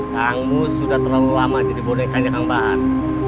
kamu sudah terlalu lama jadi bodoh yang kanjakang banget